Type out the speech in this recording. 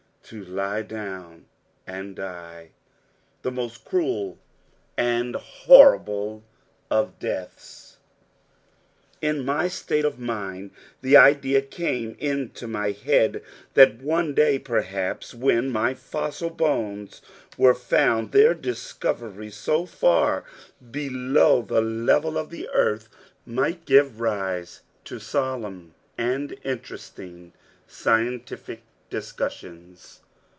To lie down and die the most cruel and horrible of deaths! In my state of mind, the idea came into my head that one day perhaps, when my fossil bones were found, their discovery so far below the level of the earth might give rise to solemn and interesting scientific discussions.